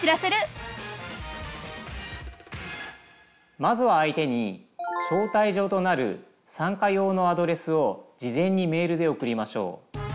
まずは相手に招待状となる参加用のアドレスを事前にメールで送りましょう。